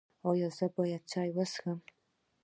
ایا زه باید چای وڅښم؟